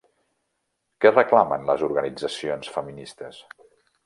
Què reclamen les organitzacions feministes?